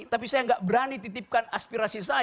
tapi saya enggak berani titipkan aspirasi